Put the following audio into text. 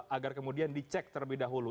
agar kemudian dicek terlebih dahulu